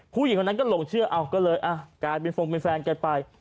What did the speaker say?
ผู้หญิงคนนั้นก็หลงเชื่อเอาก็เลยกลายเป็นฟงเป็นแฟนกันไป